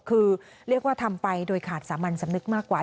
คือเรียกว่าทำไปโดยขาดสามัญสำนึกมากกว่า